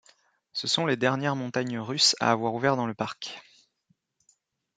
Ce sont les dernières montagnes russes à avoir ouvert dans le parc.